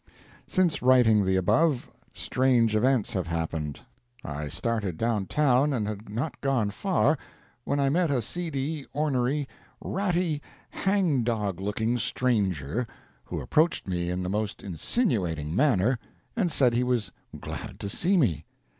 Since writing the above, strange events have happened. I started downtown, and had not gone far, when I met a seedy, ornery, ratty, hang dog looking stranger, who approached me in the most insinuating manner, and said he was glad to see me.